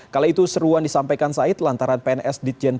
kala itu seruan disampaikan said lantaran pns ditjen